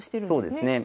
そうですね。